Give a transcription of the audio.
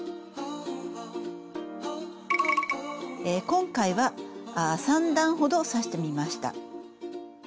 今回は３段ほど刺してみてました。